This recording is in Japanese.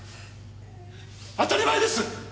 当たり前です！